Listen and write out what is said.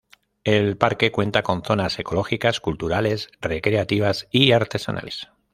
El parque cuenta con zonas ecológicas, culturales, recreativas y artesanales.